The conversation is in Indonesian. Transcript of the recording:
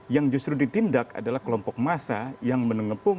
yang justru ditindak adalah kelompok massa yang menengepung